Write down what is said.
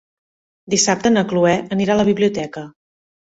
Dissabte na Cloè anirà a la biblioteca.